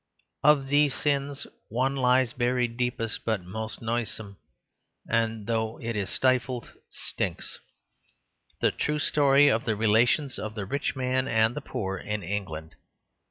Of these sins one lies buried deepest but most noisome, and though it is stifled, stinks: the true story of the relations of the rich man and the poor in England.